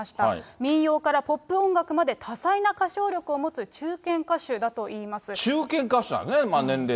民謡からポップ音楽まで多彩な歌唱力を持つ中堅歌手だということ中堅歌手なんですね。